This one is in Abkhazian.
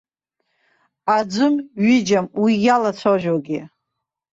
Аӡәым, ҩыџьам уи иалацәажәогьы.